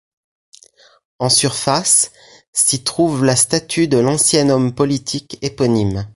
En surface, s'y trouve la statue de l'ancien homme politique éponyme.